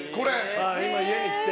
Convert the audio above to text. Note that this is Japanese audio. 今、家に来て。